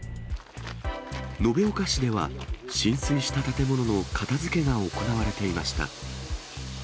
延岡市では、浸水した建物の片づけが行われていました。